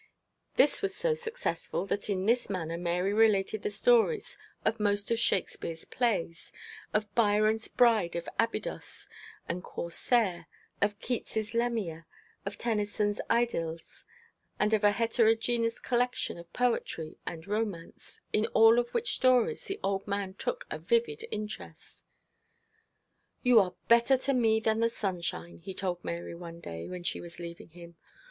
This was so successful that in this manner Mary related the stories of most of Shakespeare's plays; of Byron's Bride of Abydos, and Corsair; of Keats's Lamia; of Tennyson's Idylls; and of a heterogenous collection of poetry and romance, in all of which stories the old man took a vivid interest. 'You are better to me than the sunshine,' he told Mary one day when she was leaving him.